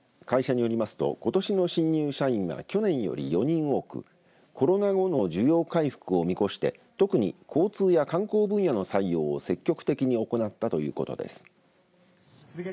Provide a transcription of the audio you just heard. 会社によりますとことしの新入社員は去年より４人多くコロナ後の需要回復を見越して特に交通や観光分野の採用を積極的に行ったということです。